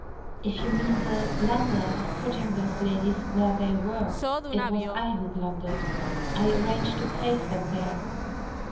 "If you mean the 'blunder' of putting those ladies where they were, it was I who blundered. I arranged to place them there."